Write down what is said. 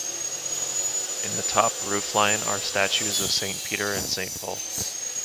In the top roofline are statues of St Peter and St Paul.